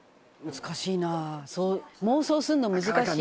「難しいな」「妄想するの難しい」